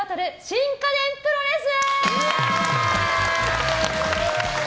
新家電プロレス！